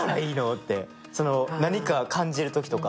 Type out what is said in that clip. って、何か感じるときとか。